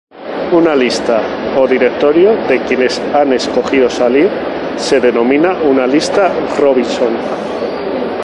Una lista o directorio de quienes han escogido salir se denomina una Lista Robinson.